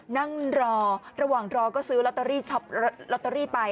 นั่งรอระหว่างรอก็ซื้อลอตเตอรี่ไป